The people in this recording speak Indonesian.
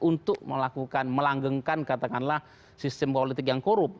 untuk melakukan melanggengkan katakanlah sistem politik yang korup